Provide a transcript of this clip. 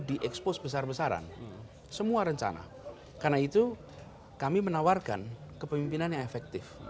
diekspos besar besaran semua rencana karena itu kami menawarkan kepemimpinan yang efektif